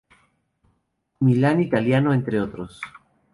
Milan italiano, entre otros.